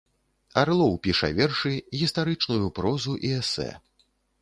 Арлоў піша вершы, гістарычную прозу і эсэ.